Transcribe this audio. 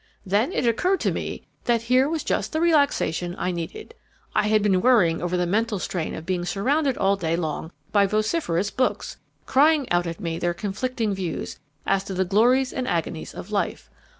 Then it occurred to me that here was just the relaxation I needed. I had been worrying over the mental strain of being surrounded all day long by vociferous books, crying out at me their conflicting views as to the glories and agonies of life.